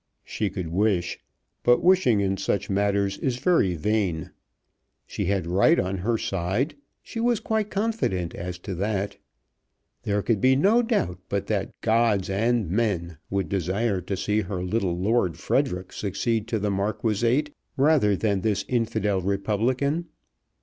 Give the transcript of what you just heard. She could wish; but wishing in such matters is very vain. She had right on her side. She was quite confident as to that. There could be no doubt but that "gods and men" would desire to see her little Lord Frederic succeed to the Marquisate rather than this infidel Republican.